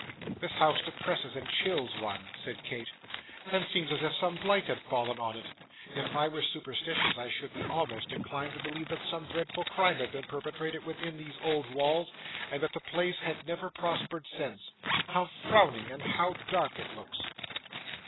'This house depresses and chills one,' said Kate, 'and seems as if some blight had fallen on it. If I were superstitious, I should be almost inclined to believe that some dreadful crime had been perpetrated within these old walls, and that the place had never prospered since. How frowning and how dark it looks!